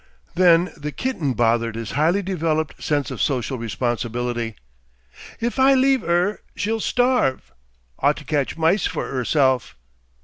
Then the kitten bothered his highly developed sense of social responsibility. "If I leave 'er, she'll starve.... Ought to catch mice for 'erself....